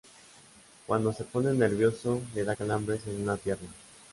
Cuando se pone nervioso le da calambres en una pierna.